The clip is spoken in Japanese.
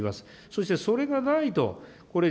そしてそれがないと、これ、